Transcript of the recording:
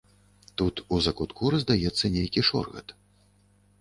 Тут у закутку раздаецца нейкі шоргат.